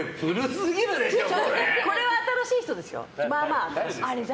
これはまあまあ新しい人ですよ。